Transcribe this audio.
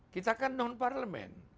kita kan non parlement